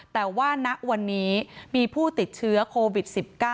แต่ว่าณวันนี้มีผู้ติดเชื้อโควิด๑๙